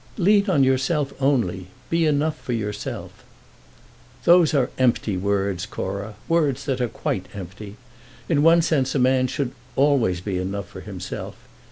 "Lean on yourself only. Be enough for yourself." "Those are empty words, Cora; words that are quite empty. In one sense a man should always be enough for himself.